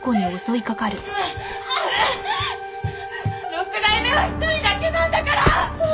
６代目は一人だけなんだから！